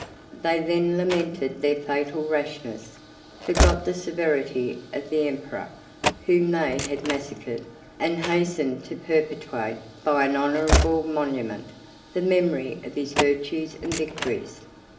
They then lamented their fatal rashness, forgot the severity of the emperor whom they had massacred, and hastened to perpetuate, by an honorable monument, the memory of his virtues and victories.